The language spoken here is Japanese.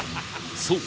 そう！